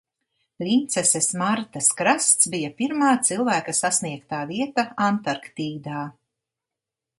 Princeses Martas krasts bija pirmā cilvēka sasniegtā vieta Antarktīdā.